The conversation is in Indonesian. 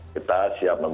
kita siap membuka